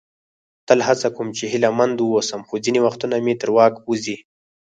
تل هڅه کوم چې هیله مند واوسم، خو ځینې وختونه مې تر واک ووزي.